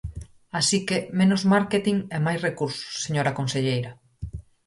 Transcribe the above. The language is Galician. ¡Así que menos márketing e máis recursos, señora conselleira!